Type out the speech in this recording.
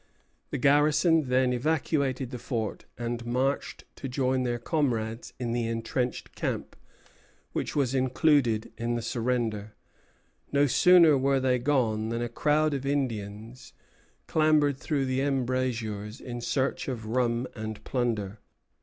The garrison then evacuated the fort, and marched to join their comrades in the entrenched camp, which was included in the surrender. No sooner were they gone than a crowd of Indians clambered through the embrasures in search of rum and plunder.